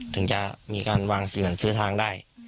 ถึงจะมีการวางเสื้อทางได้